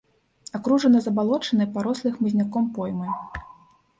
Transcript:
Акружана забалочанай, парослай хмызняком поймай.